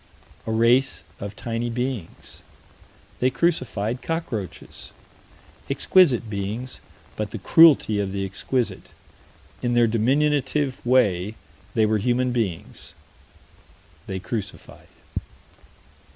A race of tiny beings. They crucified cockroaches. Exquisite beings but the cruelty of the exquisite. In their diminutive way they were human beings. They crucified.